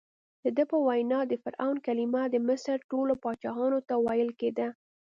دده په وینا د فرعون کلمه د مصر ټولو پاچاهانو ته ویل کېده.